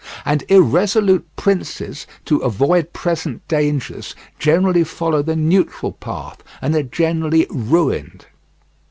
And irresolute princes, to avoid present dangers, generally follow the neutral path, and are generally ruined.